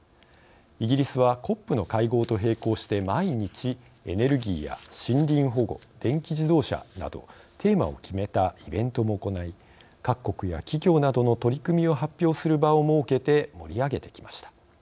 イギリスはＣＯＰの会合と並行して毎日エネルギーや森林保護電気自動車などテーマを決めたイベントも行い各国や企業などの取り組みを発表する場を設けて盛り上げてきました。